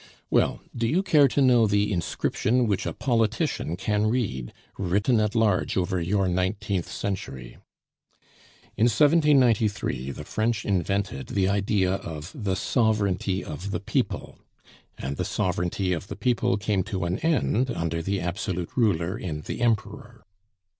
Well, do you care to know the inscription which a politician can read, written at large over your nineteenth century? In 1793 the French invented the idea of the sovereignty of the people and the sovereignty of the people came to an end under the absolute ruler in the Emperor.